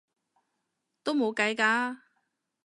都冇計嘅